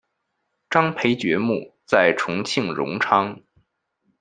张培爵墓在重庆荣昌。